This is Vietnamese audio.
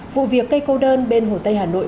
vụ việc cây cô đơn bên hồ tây hà nội